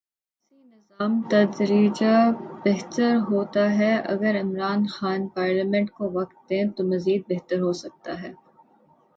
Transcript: سیاسی نظام تدریجا بہتر ہوتا ہے اگر عمران خان پارلیمنٹ کو وقت دیں تو مزید بہتر ہو سکتا ہے۔